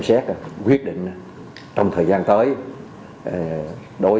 và sẽ có quyết định về việc cho học sinh đi học lại